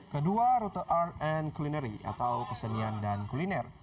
kedua rute art and culinary atau kesenian dan kuliner